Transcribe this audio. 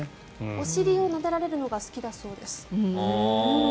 お尻をなでられるのが好きだそうです。